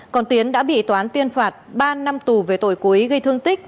còn tiến đã bị tòa án tiên phạt ba năm tù về tội cố ý gây thương tích